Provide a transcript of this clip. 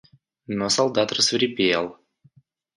Но солдат рассвирепел.